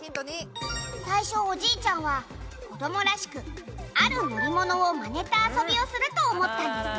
「最初おじいちゃんは子どもらしくある乗り物をマネた遊びをすると思ったんですね」